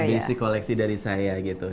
biasa koleksi dari saya gitu